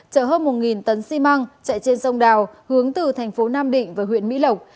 chở hơn một tấn xi măng chạy trên sông đào hướng từ thành phố nam định và huyện mỹ lộc